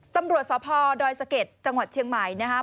ตำรวจสภดรสเกษจังหวัดเชียงใหม่นะคะ